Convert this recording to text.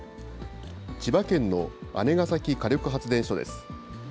千葉県の姉崎火力発電所です。